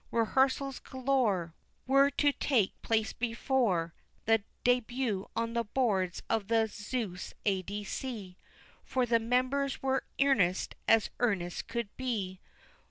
Rehearsals galore Were to take place before The débût on the boards of the Zeus A.D.C. For the members were earnest as earnest could be.